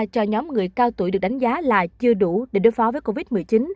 cho nhóm người cao tuổi được đánh giá là chưa đủ để đối phó với covid một mươi chín